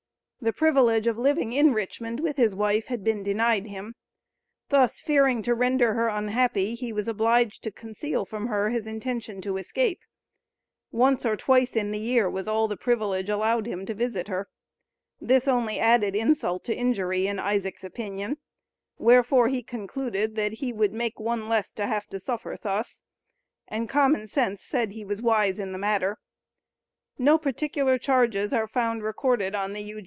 The privilege of living in Richmond with his wife "had been denied him." Thus, fearing to render her unhappy, he was obliged to conceal from her his intention to escape. "Once or twice in the year was all the privilege allowed" him to visit her. This only added "insult to injury," in Isaac's opinion; wherefore he concluded that he would make one less to have to suffer thus, and common sense said he was wise in the matter. No particular charges are found recorded on the U.